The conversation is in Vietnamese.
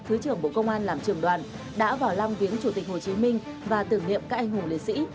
thứ trưởng bộ công an làm trường đoàn đã vào lăng viếng chủ tịch hồ chí minh và tưởng niệm các anh hùng liệt sĩ